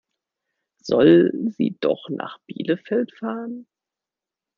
Soll sie doch nach Bielefeld fahren?